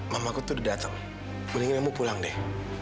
mamaku tuh udah datang mendingan kamu pulang deh